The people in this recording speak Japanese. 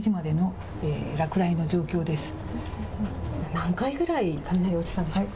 何回くらい雷、落ちたんでしょうか。